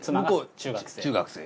中学生。